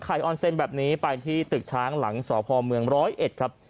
ออนเซ็นแบบนี้ไปที่ตึกช้างหลังสพเมืองร้อยเอ็ดครับ